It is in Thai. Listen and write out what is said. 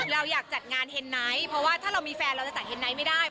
เราอยากจัดงานเฮนไนท์เพราะว่าถ้าเรามีแฟนเราจะจัดเฮนไนท์ไม่ได้